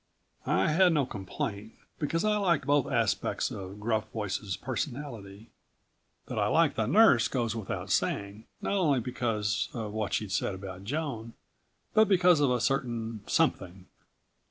I had no complaint, because I liked both aspects of Gruff Voice's personality. That I liked the nurse goes without saying, not only because of what she'd said about Joan, but because of a certain something....